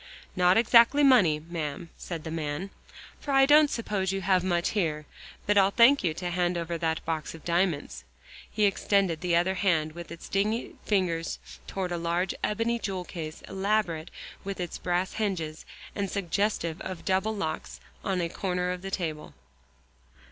"Not exactly money, ma'am," said the man, "for I don't suppose you have much here. But I'll thank you to hand over that there box of diamonds." He extended the other hand with its dingy fingers toward a large ebony jewel case elaborate with its brass hinges, and suggestive of double locks, on a corner of the table.